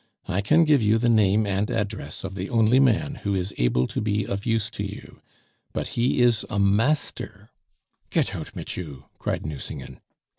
I can give you the name and address of the only man who is able to be of use to you but he is a master " "Get out mit you," cried Nucingen.